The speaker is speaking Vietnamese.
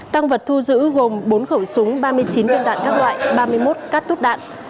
tăng vật thu giữ gồm bốn khẩu súng ba mươi chín viên đạn các loại ba mươi một cát túp đạn